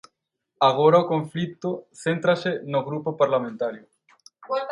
Agora o conflito céntrase no grupo parlamentario.